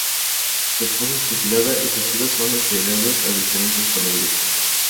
Su esposa es fusilada, y sus hijos son entregados a diferentes familias.